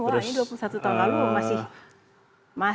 masih sangat bagus ya